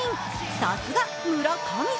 さすが村神様。